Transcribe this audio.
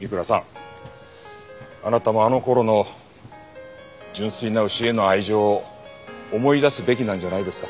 三倉さんあなたもあの頃の純粋な牛への愛情を思い出すべきなんじゃないですか？